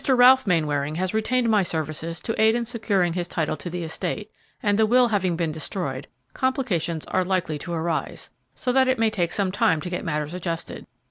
Ralph Mainwaring has retained my services to aid in securing his title to the estate, and the will having been destroyed, complications are likely to arise, so that it may take some time to get matters adjusted.